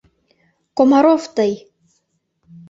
Комаров тый!..